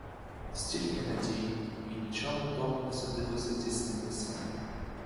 Стільки надій — і нічому тому не судилося здійснитися.